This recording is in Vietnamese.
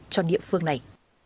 cho địa phương này